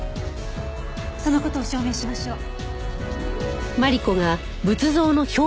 その事を証明しましょう。